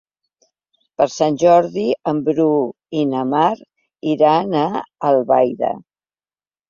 Per Sant Jordi en Bru i na Mar iran a Albaida.